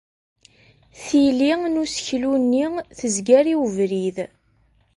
Tili n useklu-nni tezger i webrid.